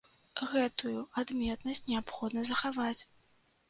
Гэтую адметнасць неабходна захаваць.